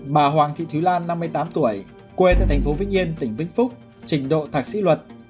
bà hoàng thị thúy lan năm mươi tám tuổi quê tại thành phố vĩnh yên tỉnh vĩnh phúc trình độ thạc sĩ luật